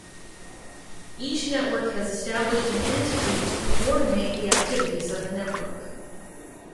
Each network has established an entity to co-ordinate the activities of the network.